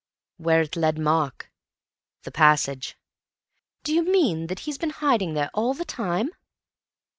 "Where it led Mark. The passage." "Do you mean that he's been hiding there all the time?"